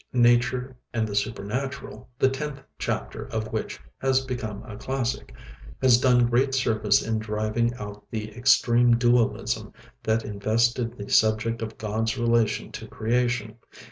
'Nature and the Supernatural,' the tenth chapter of which has become a classic, has done great service in driving out the extreme dualism that invested the subject of God's relation to creation.